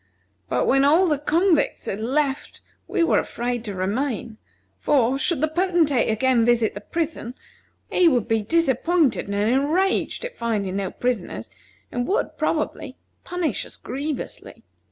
But when all the convicts had left we were afraid to remain, for, should the Potentate again visit the prison, he would be disappointed and enraged at finding no prisoners, and would, probably, punish us grievously.